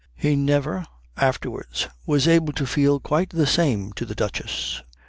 He never afterwards was able to feel quite the same to the Duchess.